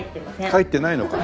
入ってないのか。